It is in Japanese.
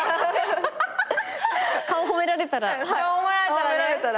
顔褒められたら？